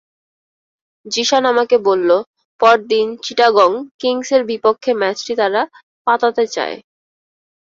জিশান আমাকে বলল, পরদিন চিটাগং কিংসের বিপক্ষে ম্যাচটি তারা পাতাতে চায়।